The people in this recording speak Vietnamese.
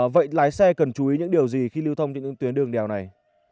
vậy lái xe cần chú ý những điều gì khi lưu thông trên những tuyến đường đèo này